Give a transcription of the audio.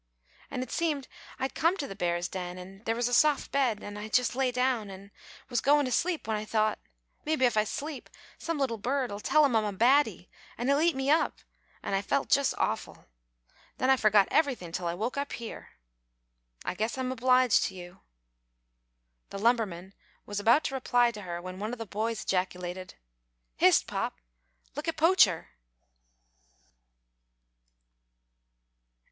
An' it seemed I'd come to the bear's den, an' there was a soft bed, an' I just lay down, an' was goin' to sleep when I thought, 'Mebbe if I sleep, some little bird'll tell him I'm a baddie, an' he'll eat me up,' an' I felt just awful; then I forgot everythin' till I woke up here I guess I'm obliged to you." The lumberman was about to reply to her when one of the boys ejaculated, "Hist, pop, look at Poacher!"